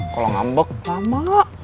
kalau ngambek lama